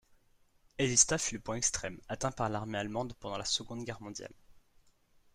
Élista fut le point extrême atteint par l'armée allemande pendant la Seconde Guerre mondiale.